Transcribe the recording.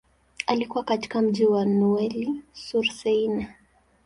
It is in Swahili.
Alikua katika mji wa Neuilly-sur-Seine.